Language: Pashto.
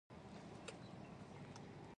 ډېر خلک مرګ ته د یوه بد شي په سترګه ګوري